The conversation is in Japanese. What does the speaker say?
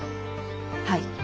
はい。